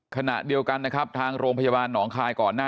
ขณะเดียวกันนะครับทางโรงพยาบาลหนองคายก่อนหน้า